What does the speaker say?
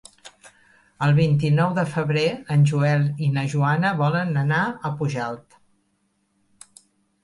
El vint-i-nou de febrer en Joel i na Joana volen anar a Pujalt.